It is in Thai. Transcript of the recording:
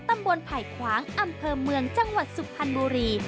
ไผ่ขวางอำเภอเมืองจังหวัดสุพรรณบุรี